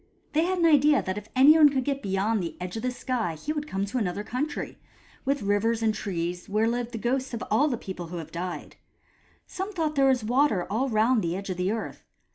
They had an idea that if anyone could get beyond the edge of the sky he would come to another country, with rivers and trees, where live the ghosts of all the people who have died. Some thought that there was water all round the edge of the earth.